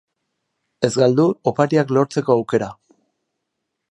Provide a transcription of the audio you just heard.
Ez galdu opariak lortzeko aukera!